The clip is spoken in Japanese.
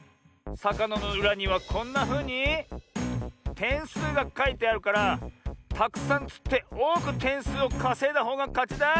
さかなのうらにはこんなふうにてんすうがかいてあるからたくさんつっておおくてんすうをかせいだほうがかちだ。